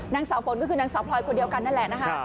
นางสาวฝนก็คือนางสาวพลอยคนเดียวกันนั่นแหละนะคะ